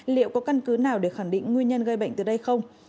liệu có căn cứ nào để khẳng định nguyên nhân gây bệnh từ đây không